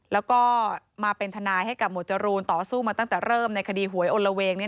แล้วก็มาเป็นทนายให้กับหมวดจรูนต่อสู้มาตั้งแต่เริ่มในคดีหวยอลละเวง